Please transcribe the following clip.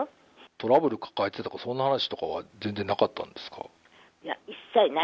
トラブル抱えていたとか、そんな話は全然なかったんですか？